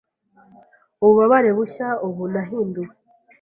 Ububabare bushya ubu nahinduwe